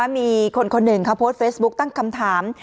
มีคนคนหนึ่งเขาโพสต์เฟซบุ๊คตั้งคำถาม